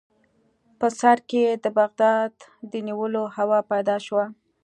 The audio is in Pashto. په سر کې یې د بغداد د نیولو هوا پیدا شوه.